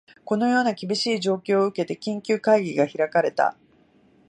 このような厳しい状況を受けて、緊急会議が開かれた